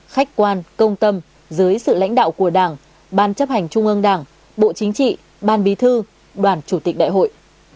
khách quan công tâm dưới sự lãnh đạo của đảng ban chấp hành trung ương đảng bộ chính trị ban bí thư đoàn chủ tịch đại hội